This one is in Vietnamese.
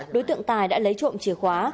đối tượng tài đã lấy trộm chìa khóa